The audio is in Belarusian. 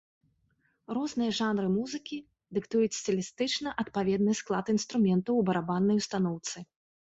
Розныя жанры музыкі дыктуюць стылістычна адпаведны склад інструментаў у барабаннай устаноўцы.